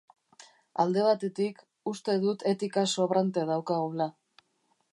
Alde batetik, uste dut etika sobrante daukagula.